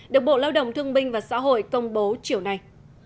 được bộ lao động thương minh và xã hội công bố chiều nay